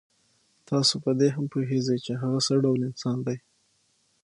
تاسو په دې هم پوهېږئ چې هغه څه ډول انسان دی.